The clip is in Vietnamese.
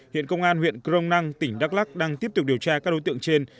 hiện công an huyện crong năng tỉnh đắk lắc đang tiếp tục điều tra các đối tượng trên